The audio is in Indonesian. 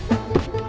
emak pulang dulu ya